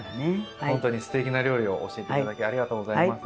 本当にすてきな料理を教えて頂きありがとうございます。